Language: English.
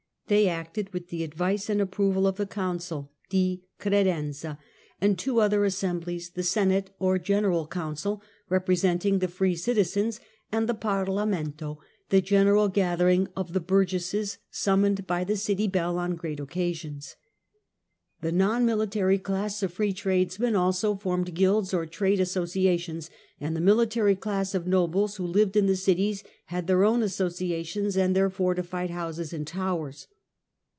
They acted with the advice and approval UNDER LOTHAIR II. AND CONRAD III. 131 of the Council " di Credenza," and two other assemblies, the Senate or General Council, representing the free citizens, and the " Parlamento," the general gathering of the burgesses, summoned by the city bell on great occasions. The non military class of free tradesmen also formed guilds or trade associations, and the military class of nobles who lived in the cities, had their own associa tions and their fortified houses and towers.